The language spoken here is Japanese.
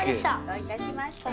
どういたしまして。